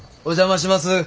お邪魔します。